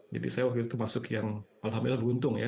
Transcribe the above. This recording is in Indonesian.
jadi saya waktu itu termasuk yang alhamdulillah beruntung ya